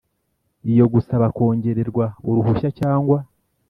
Iyo gusaba kongererwa uruhushya cyangwa